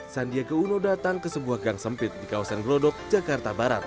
sandiaga uno datang ke sebuah gang sempit di kawasan glodok jakarta barat